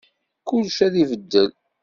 Kullec ad ibeddel.